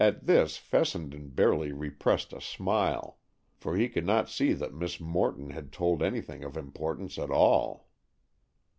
At this Fessenden barely repressed a smile, for he could not see that Miss Morton had told anything of importance at all.